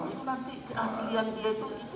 itu nanti keaslian dia itu